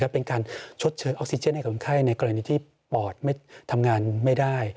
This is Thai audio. เป็นการชดเชยออกซิเจนให้คนไข้ในกรณีที่ปอดไม่ทำงานไม่ได้